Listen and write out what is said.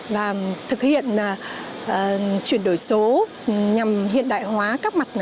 và thực hiện chuyển đổi số nhằm hiện đại hóa các mặt